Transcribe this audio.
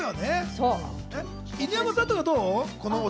犬山さんとかどう？